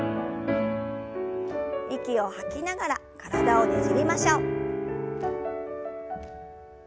息を吐きながら体をねじりましょう。